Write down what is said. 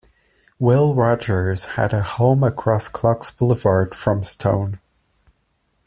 Will Rogers had a home across Clocks Boulevard from Stone.